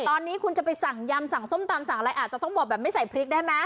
ตอนนี้คุณจะไปสั่งยำสั่งส้มตำสั่งอะไรอาจจะต้องบอกแบบไม่ใส่พริกได้ไหม